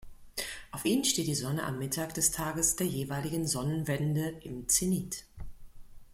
Auf ihnen steht die Sonne am Mittag des Tages der jeweiligen Sonnenwende im Zenit.